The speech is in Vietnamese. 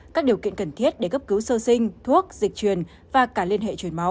các điều kiện cần thiết để cấp cứu sơ sinh thuốc dịch truyền và cả liên hệ chuyển máu